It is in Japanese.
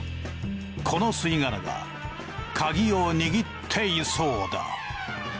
この吸い殻がカギを握っていそうだ。